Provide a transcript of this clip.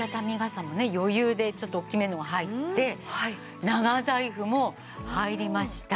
余裕でちょっと大きめのも入って長財布も入りました。